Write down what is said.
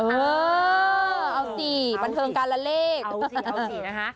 เออเอา๔บรรเทิงการละเลขเอา๔นะฮะ